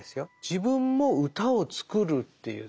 自分も歌を作るっていう。